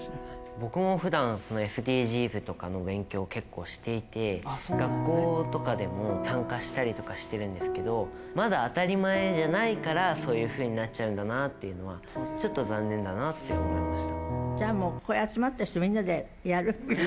僕もふだん、ＳＤＧｓとかの勉強を結構していて、学校とかでも、参加したりとかしてるんですけど、まだ当り前じゃないから、そういうふうになっちゃうんだなっていうのは、ちょっと残念だなじゃあ、もうここで集まった人で、みんなでやる？